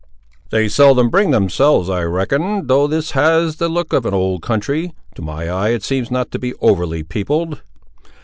"They seldom bring themselves, I reckon; though this has the look of an old country, to my eye it seems not to be overly peopled."